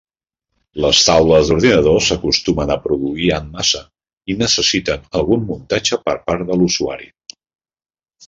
Les taules d'ordinador s'acostumen a produir en massa i necessiten algun muntatge per part de l'usuari.